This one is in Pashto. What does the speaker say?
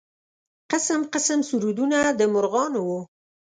قسم قسم سرودونه د مرغانو و.